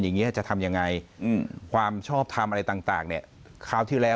อย่างนี้จะทำยังไงอืมความชอบทำอะไรต่างเนี่ยคราวที่แล้ว